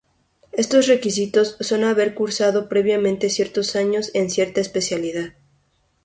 Estos requisitos son haber cursado previamente ciertos años en cierta especialidad.